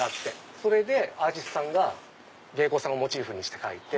それでアーティストさんが芸妓さんをモチーフにして描いて。